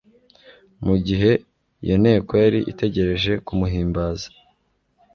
mu gihe iyo nteko yari itegereje kumuhimbaza.